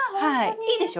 いいでしょ？